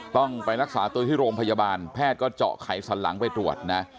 ต้องไปรักษาตัวที่โรงพยาบาลแพทย์ก็เจาะไขสันหลังไปตรวจนะ